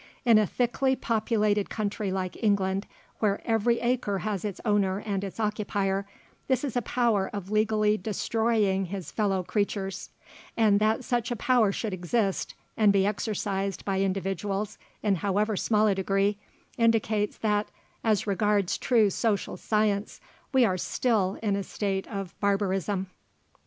In a thickly populated country like England, where every acre has its owner and its occupier, this is a power of legally destroying his fellow creatures; and that such a power should exist, and be exercised by individuals, in however small a degree, indicates that, as regards true social science, we are still in a state of barbarism.